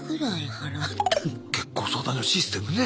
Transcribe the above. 結婚相談所のシステムね。